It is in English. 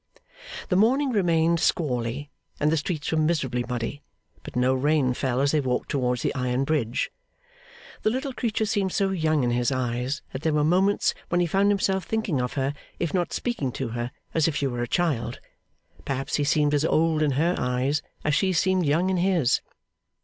The morning remained squally, and the streets were miserably muddy, but no rain fell as they walked towards the Iron Bridge. The little creature seemed so young in his eyes, that there were moments when he found himself thinking of her, if not speaking to her, as if she were a child. Perhaps he seemed as old in her eyes as she seemed young in his.